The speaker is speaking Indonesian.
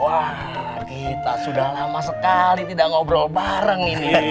wah kita sudah lama sekali tidak ngobrol bareng ini